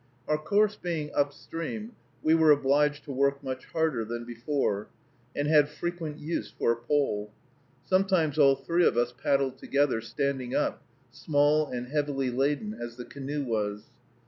Our course being up stream, we were obliged to work much harder than before, and had frequent use for a pole. Sometimes all three of us paddled together, standing up, small and heavily laden as the canoe was.